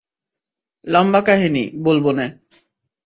লম্বা কাহিনী, বলবোনে।